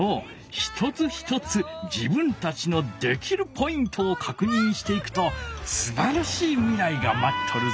一つ一つ自分たちのできるポイントをかくにんしていくとすばらしいみらいがまっとるぞ。